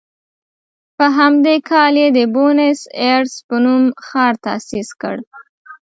په همدې کال یې د بونیس ایرس په نوم ښار تاسیس کړ.